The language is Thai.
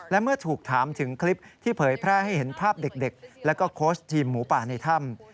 และเมื่อถูกถามถึงคลิปที่เผยแพร่ให้เห็นภาพเด็กและโค้ชทีมหมูป่าในถ้ำ